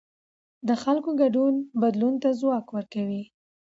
د خلکو ګډون بدلون ته ځواک ورکوي